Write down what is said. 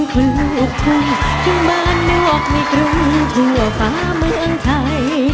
เพลงลูกภูมิขึ้นบ้านเดี่ยวออกมาในกรุงทั่วฟ้าเมืองไทย